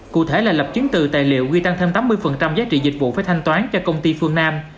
cụ thể là lập chứng từ tài liệu quy tăng thêm tám mươi giá trị dịch vụ phải thanh toán cho công ty phương nam